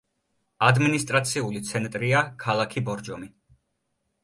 ადმინისტრაციული ცენტრია ქალაქი ბორჯომი.